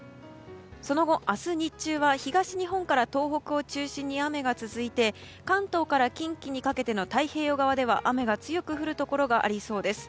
その後、明日日中は東日本から東北を中心に雨が続いて、関東から近畿にかけての太平洋側では雨が強く降るところがありそうです。